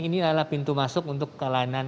ini adalah pintu masuk untuk kelainan